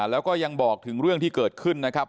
แล้วก็ยังบอกถึงเรื่องที่เกิดขึ้นนะครับ